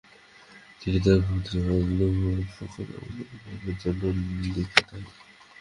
তিনি তার পুত্র আবুলফাতেহ ফখর-উল-মালেকের জন্য জন্য লেখেন।